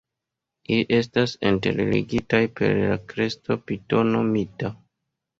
Ili estas interligitaj per la kresto Pitono Mita.